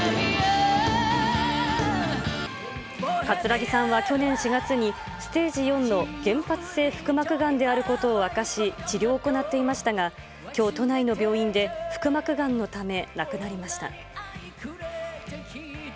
葛城さんは去年４月に、ステージ４の原発性腹膜がんであることを明かし、治療を行っていましたが、きょう、都内の病院で腹膜がんのため、亡くなりました。